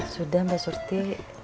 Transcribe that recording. sudah mbak surti